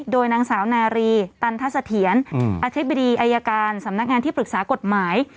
โดยนางสาวนารีตันทะเสถียรอธิบดีอายการสำนักงานที่ปรึกษากฎหมาย